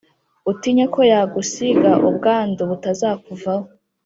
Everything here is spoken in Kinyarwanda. utinye ko yagusiga ubwandu butazakuvaho